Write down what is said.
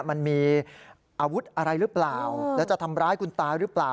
มันมีอาวุธอะไรหรือเปล่าแล้วจะทำร้ายคุณตาหรือเปล่า